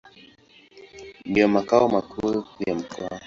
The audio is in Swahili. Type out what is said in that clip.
Ndio makao makuu ya mkoa.